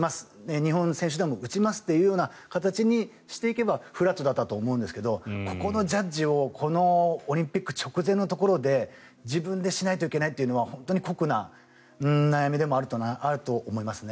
日本選手団も打ちますという形にしていけばフラットだったと思いますがこのジャッジをこのオリンピック直前のところで自分でしないといけないのは本当に酷な悩みでもあると思いますね。